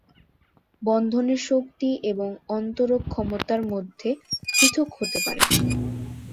বন্ধনের শক্তি এবং অন্তরক ক্ষমতা মধ্যে পৃথক হতে পারে।